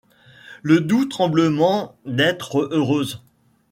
Le doux tremblement d'être heureuse.